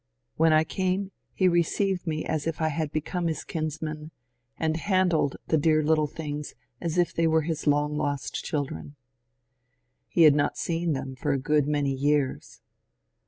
When I came he received me as if I had become his kinsman, and handled the dear " little things " as if they were his long lost children. He had not seen them for a good many years.